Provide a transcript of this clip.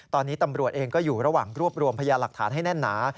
ตอนนี้ตำรวจเองก็อยู่ระหว่างรวบรวมพยาหลักฐานให้แน่นหนา